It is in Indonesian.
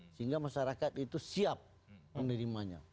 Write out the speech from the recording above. sehingga masyarakat itu siap menerimanya